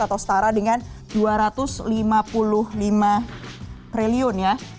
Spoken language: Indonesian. atau setara dengan dua ratus lima puluh lima triliun ya